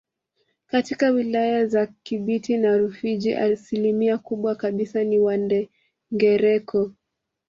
Katika wilaya za Kibiti na Rufiji asilimia kubwa kabisa ni Wandengereko